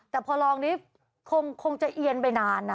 แต่พอลองนี้คงจะเอียนไปนานนะ